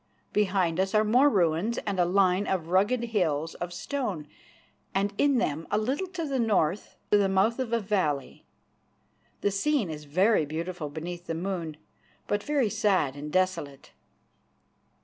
Behind us are more ruins and a line of rugged hills of stone, and in them, a little to the north, the mouth of a valley. The scene is very beautiful beneath the moon, but very sad and desolate."